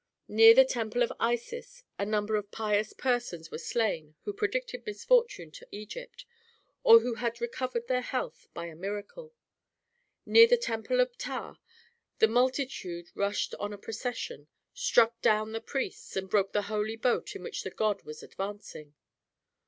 Near the temple of Isis a number of pious persons were slain who predicted misfortune to Egypt, or who had recovered their health by a miracle. Near the temple of Ptah the multitude rushed on a procession, struck down the priests, and broke the holy boat in which the god was advancing.